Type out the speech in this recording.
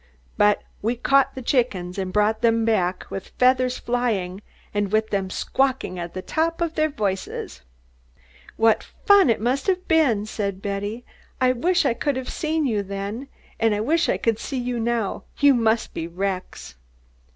But we caught the chickens, and brought them back, with feathers flying, and with them squawking at the tops of their voices." "What fun it must have been!" said Betty. "I wish I could have seen you then, and I wish I could see you now. You must be wrecks."